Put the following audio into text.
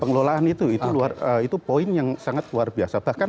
pengelolaan itu itu poin yang sangat luar biasa